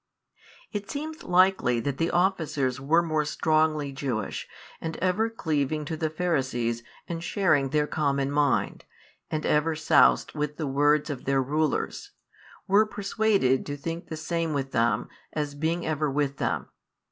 It seems likely that the officers were more strongly Jewish, and ever cleaving to the Pharisees and sharing their common mind, and ever soused with the words of their rulers, were persuaded to think the same with them, as being ever with them.